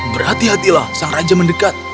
berhati hatilah sang raja mendekat